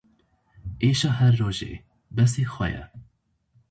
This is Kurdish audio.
Êşa her rojê, besî xwe ye.